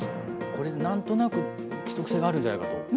これでなんとなく規則性があるんじゃないかと。